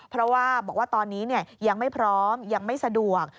เพราะว่าบอกว่าตอนนี้ยังไม่พร้อมยังไม่สะดวก